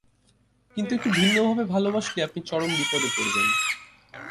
কিন্তু একটু ভিন্নভাবে ভালবাসলেই আপনি চরম বিপদে পড়বেন।